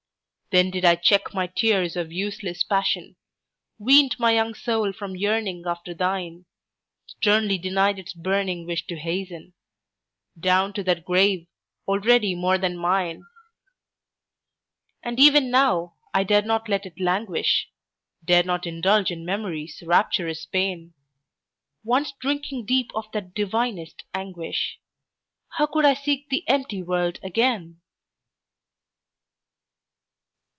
Then did I check my tears of useless passion, Weaned my young soul from yearning after thine, Sternly denied its burning wish to hasten Down to that grave already more than mine! And even now, I dare not let it languish, Dare not indulge in Memory's rapturous pain; Once drinking deep of that divinest anguish, How could I seek the empty world again?